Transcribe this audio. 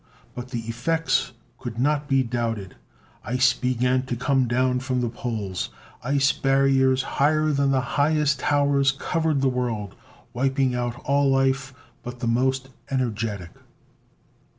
But the effects could not be doubted. Ice began to come down from the poles. Ice barriers higher than the highest towers covered the world, wiping out all life but the most energetic.